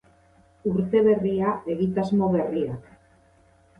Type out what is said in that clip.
Urte berria, egitasmo berriak.